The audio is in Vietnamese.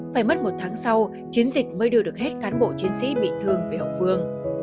phải mất một tháng sau chiến dịch mới đưa được hết cán bộ chiến sĩ bị thương về hậu phương